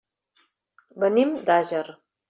Venim d'Àger.